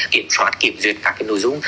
kiểm soát kiểm duyệt các cái nội dung